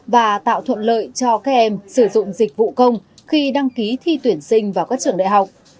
và tạo thuận lợi cho các em sử dụng dịch vụ công khi đăng ký thi tuyển sinh vào các trường đại học